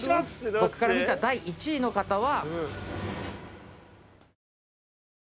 僕から見た第１位の方は。